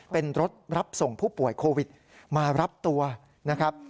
เป็นรถรับส่งผู้ป่วยโควิดมารับตัวนะครับ